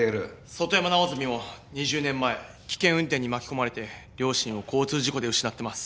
外山直澄も２０年前危険運転に巻き込まれて両親を交通事故で失ってます。